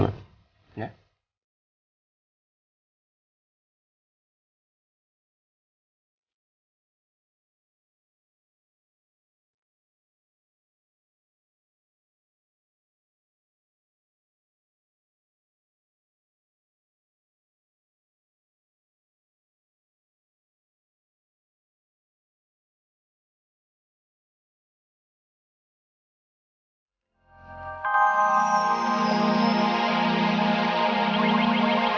selamat malam ma selamat malam pak